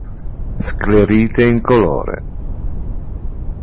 Sclerite incolore.